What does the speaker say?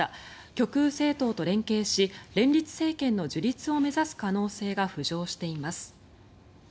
極右政党と連携し連立政権の樹立を目指す可能性が浮上しています。